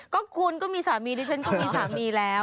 ก็คุณก็มีสามีดิฉันก็มีสามีแล้ว